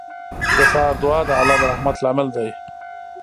• د سهار دعا د الله د رحمت لامل دی.